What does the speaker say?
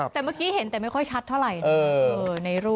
แต่เมื่อกี้เห็นแต่ไม่ค่อยชัดเท่าไหร่นะ